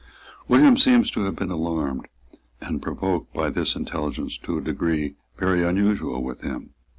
William seems to have been alarmed and provoked by this intelligence to a degree very unusual with him.